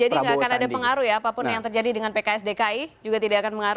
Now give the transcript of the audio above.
jadi tidak akan ada pengaruh ya apapun yang terjadi dengan pks dki juga tidak akan mengaruh